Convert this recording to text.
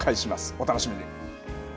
お楽しみに。